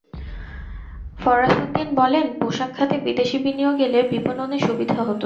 ফরাসউদ্দিন বলেন, পোশাক খাতে বিদেশি বিনিয়োগ এলে বিপণনে সুবিধা হতো।